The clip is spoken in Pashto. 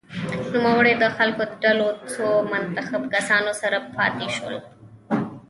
نوموړی د خپلو ډلو څو منتخب کسانو سره پاته شول.